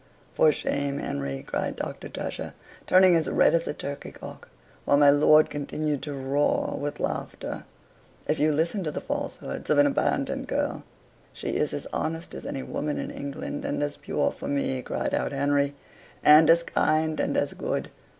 "For shame, Henry," cried Doctor Tusher, turning as red as a turkey cock, while my lord continued to roar with laughter. "If you listen to the falsehoods of an abandoned girl " "She is as honest as any woman in England, and as pure for me," cried out Henry, "and, as kind, and as good.